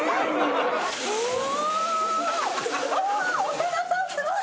長田さんすごい。